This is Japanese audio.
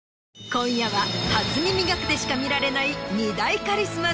今夜は『初耳学』でしか見られない２大カリスマ